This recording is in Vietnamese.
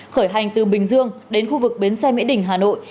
khởi hành từ bình dương đến khu vực bến xe mỹ đình hà nội